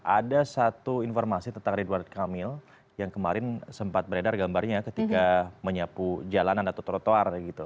ada satu informasi tentang ridwan kamil yang kemarin sempat beredar gambarnya ketika menyapu jalanan atau trotoar gitu